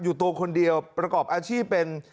ตัวคนเดียวประกอบอาชีพเป็น